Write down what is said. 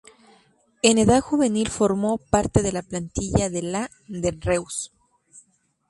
En edad juvenil formó parte de la plantilla del A del Reus.